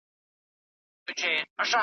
هم یې کور هم انسانانو ته تلوار وو .